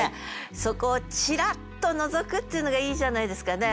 そこをちらっと覗くっていうのがいいじゃないですかね。